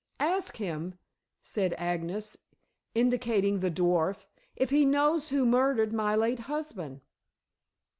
"Ask him," said Agnes, indicating the dwarf, "if he knows who murdered my late husband?"